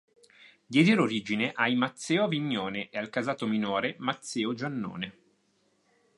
Diedero origine ai Mazzeo-Avignone e al casato minore Mazzeo-Giannone.